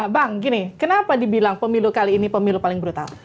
bang gini kenapa dibilang pemilu kali ini pemilu paling brutal